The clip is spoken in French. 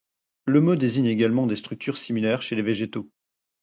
Le mot désigne également des structures similaires chez les végétaux.